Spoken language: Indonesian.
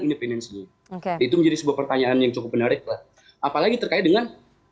independensi oke itu menjadi sebuah pertanyaan yang cukup menarik lah apalagi terkait dengan